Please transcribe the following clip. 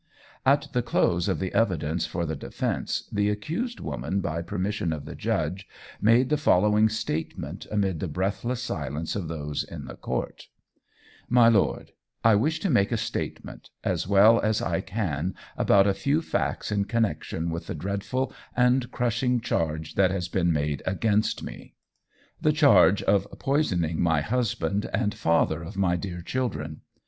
At the close of the evidence for the defence the accused woman by permission of the judge made the following statement amid the breathless silence of those in the court: "My Lord, I wish to make a statement, as well as I can, about a few facts in connection with the dreadful and crushing charge that has been made against me the charge of poisoning my husband and father of my dear children.